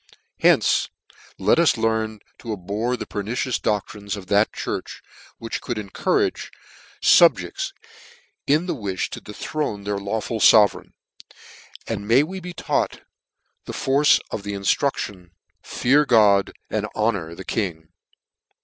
Hence let us learn to abhor the pernicious doc trines of that church, which could encourage fub jects in the wim to dethrone their lawful fovereign ; and may we be taught the force of the inftruction, " Fear God, and honour the King."